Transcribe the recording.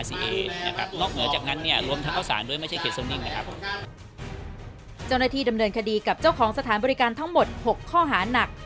อีก๓ข้อหานักรวมทั้งดำเนินคดีกับกาทที่ดูแลอีก๓ข้อหานัก